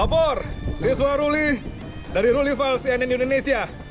lapor siswa ruli dari ruli falsi nn indonesia